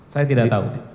saya tidak tau